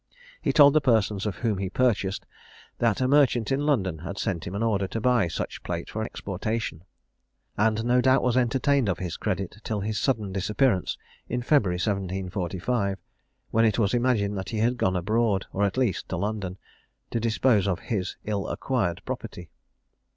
He told the persons of whom he purchased, that a merchant in London had sent him an order to buy such plate for exportation; and no doubt was entertained of his credit till his sudden disappearance in February 1745, when it was imagined that he had gone abroad, or at least to London, to dispose of his ill acquired property.